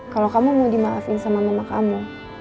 kalau kamu mau dimaafin sama mama kamu